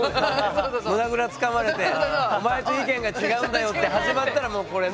胸ぐらつかまれて「お前と意見が違うんだよ！」って始まったらもうこれね。